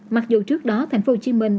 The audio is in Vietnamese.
mặc dù trước đó thành phố hồ chí minh